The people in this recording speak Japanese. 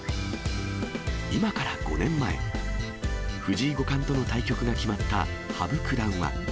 今から５年前、藤井五冠との対局が決まった羽生九段は。